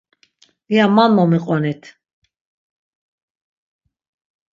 İya man momiqonit.